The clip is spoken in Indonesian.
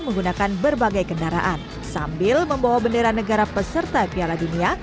menggunakan berbagai kendaraan sambil membawa bendera negara peserta piala dunia